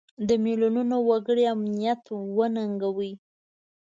د میلیونونو وګړو امنیت وننګوي.